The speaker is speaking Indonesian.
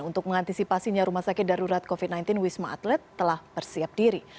untuk mengantisipasinya rumah sakit darurat covid sembilan belas wisma atlet telah bersiap diri